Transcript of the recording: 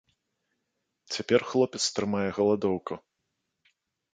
Цяпер хлопец трымае галадоўку.